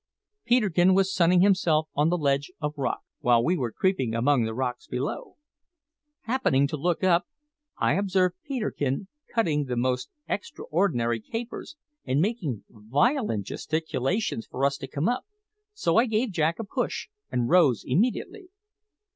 Peterkin was sunning himself on the ledge of rock, while we were creeping among the rocks below. Happening to look up, I observed Peterkin cutting the most extraordinary capers and making violent gesticulations for us to come up; so I gave Jack a push and rose immediately.